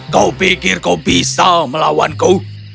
kau pikir kau bisa melawanku